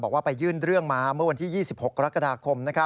ไปยื่นเรื่องมาเมื่อวันที่๒๖กรกฎาคม